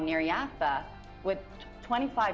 di yaffa dengan dua puluh lima kali